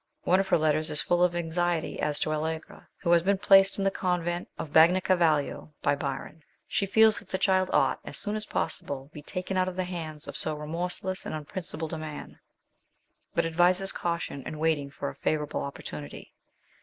One of her letters is full of anxiety as to Allegra, who has been placed in the convent of Bagnacavallo by 10 146 MRS. SHELLEY. Byron. She feels that the child ought, as soon as possible, to be taken out of the hands of so " re morseless and unprincipled a man " but advises caution and waiting for a favourable opportunity.